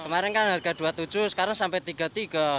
kemarin kan harga rp dua puluh tujuh sekarang sampai rp tiga puluh tiga